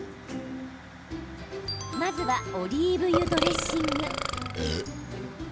まずはオリーブ油ドレッシング。